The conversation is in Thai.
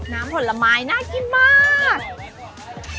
น้ำผลไม้น่ากินมาก